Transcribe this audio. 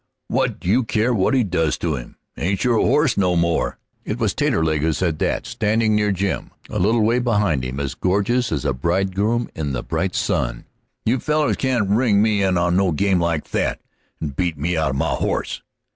"What do you care what he does to him? It ain't your horse no more." It was Taterleg who said that, standing near Jim, a little way behind him, as gorgeous as a bridegroom in the bright sun. "You fellers can't ring me in on no game like that and beat me out of my horse!"